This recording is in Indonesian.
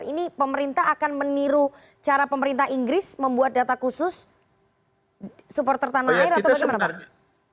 ini pemerintah akan meniru cara pemerintah inggris membuat data khusus supporter tanah air atau bagaimana pak